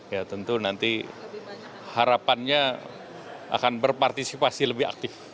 ya tentu nanti harapannya akan berpartisipasi lebih aktif